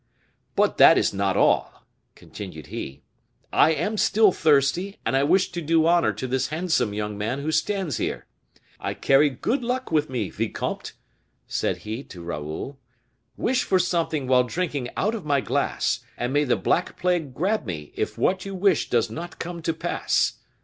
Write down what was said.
"But that is not all," continued he, "I am still thirsty, and I wish to do honor to this handsome young man who stands here. I carry good luck with me, vicomte," said he to Raoul; "wish for something while drinking out of my glass, and may the black plague grab me if what you wish does not come to pass!"